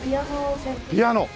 ピアノを。